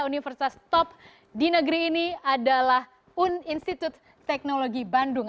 universitas top di negeri ini adalah un institut teknologi bandung